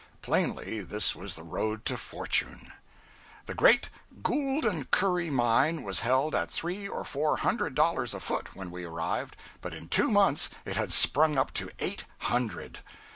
Plainly this was the road to fortune. The great "Gould and Curry" mine was held at three or four hundred dollars a foot when we arrived; but in two months it had sprung up to eight hundred.